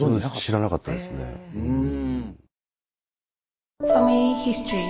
知らなかったですねぇ。